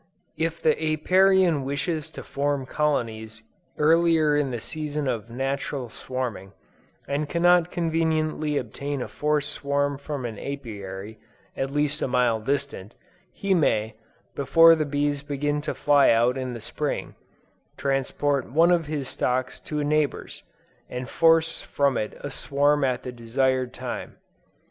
If the Apiarian wishes to form colonies earlier than the season of natural swarming, and cannot conveniently obtain a forced swarm from an Apiary, at least a mile distant, he may, before the bees begin to fly out in the Spring, transport one of his stocks to a neighbor's, and force from it a swarm at the desired time.